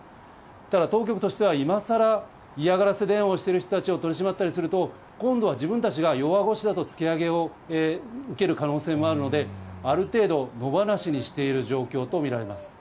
ただ、当局としては、いまさら嫌がらせ電話をしている人たちを取り締まったりすると、今度は自分たちが弱腰だと突き上げを受ける可能性もあるので、ある程度、野放しにしている状況と見られます。